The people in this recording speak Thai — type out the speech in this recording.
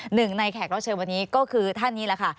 หนึ่งในแขกรับเชิญวันนี้ก็คือท่านนี้แหละค่ะ